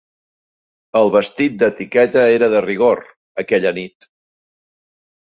El vestit d'etiqueta era de rigor, aquella nit.